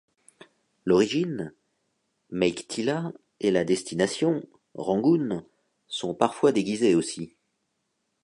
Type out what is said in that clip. L'origine, Meiktila, et la destination, Rangoon, sont parfois déguisés aussi.